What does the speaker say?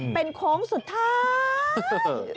เป็นโค้งสุดท้าย